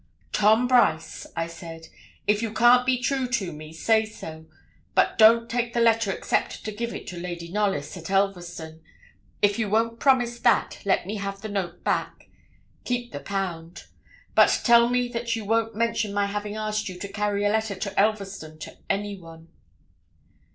'Tom Brice,' I said, 'If you can't be true to me, say so; but don't take the letter except to give it to Lady Knollys, at Elverston. If you won't promise that, let me have the note back. Keep the pound; but tell me that you won't mention my having asked you to carry a letter to Elverston to anyone.'